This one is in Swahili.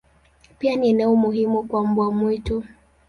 Pia ni eneo muhimu kwa mbwa mwitu.